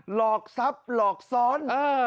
หลอกทรัพย์หลอกซ้อน